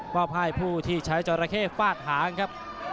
อบให้ผู้ที่ใช้จราเข้ฟาดหางครับ